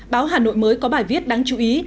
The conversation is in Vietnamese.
báo hà nội mới có bài viết đáng chú ý